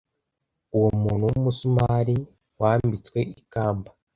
Uwo Muntu wumusumari , wambitswe ikamba!